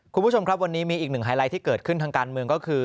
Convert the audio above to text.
คุณผู้ชมครับวันนี้มีอีกหนึ่งไฮไลท์ที่เกิดขึ้นทางการเมืองก็คือ